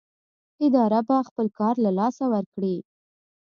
اداره به خپل کار له لاسه ورکړي.